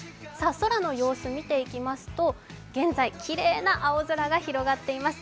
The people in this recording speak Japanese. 空の様子見ていきますと現在きれいな青空が広がっています。